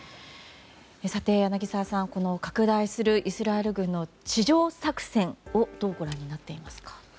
柳澤さん拡大するイスラエル軍の地上作戦をどうご覧になっていますか？